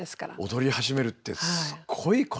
踊り始めるってすごいことですよね。